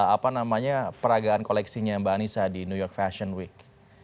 apa namanya peragaan koleksinya mbak anissa di new york fashion week